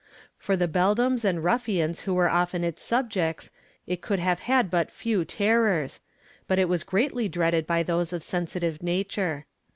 For the beldams and ruffians who were often its subjects it could have had but few terrors, but it was greatly dreaded by those of sensitive nature.